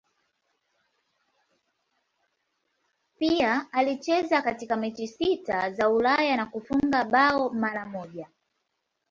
Pia alicheza katika mechi sita za Ulaya na kufunga bao mara moja.